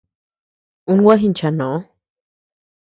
Un gua jinanchanoo.